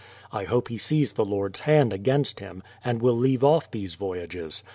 I hope he sees the Lord's hand against him, and will leave off these voyages.